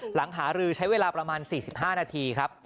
หลังหารือใช้เวลาประมาณ๔๕นาทีครับ